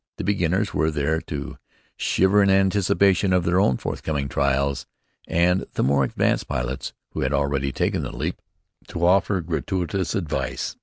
The beginners were there to shiver in anticipation of their own forthcoming trials, and the more advanced pilots, who had already taken the leap, to offer gratuitous advice.